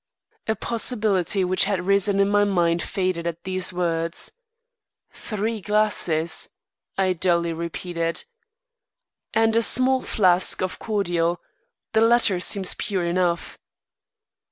A possibility which had risen in my mind faded at these words. "Three glasses," I dully repeated. "And a small flask of cordial. The latter seems pure enough."